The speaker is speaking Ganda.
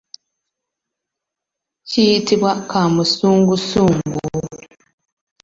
Kiyitibwa kaamusungusungu.